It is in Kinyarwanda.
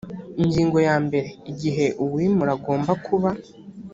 ingingo ya mbere igihe uwimura agomba kuba